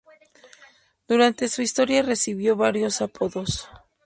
Durante su historia recibió varios apodos.